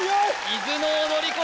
「伊豆の踊子」